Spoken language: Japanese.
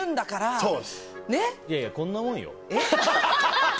いやいや、こんなもんよ。